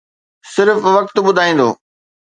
صرف وقت ٻڌائيندو.